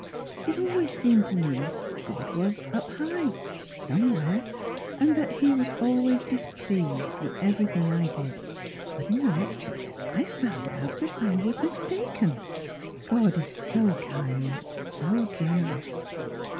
It always seemed to me God was up high — somewhere, and that He was always displeased with everything I did. But in the lecture I found out that I was mistaken. God is so kind — so generous.